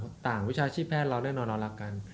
หลังวิชาชีแพทย์เราแน่นอนรักกัน